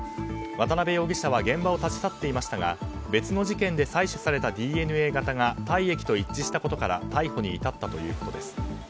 渡辺容疑者は現場を立ち去っていましたが別の事件で採取されたＤＮＡ型が体液と一致したことから逮捕に至ったということです。